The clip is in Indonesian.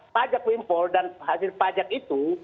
pajak windfall dan hasil pajak itu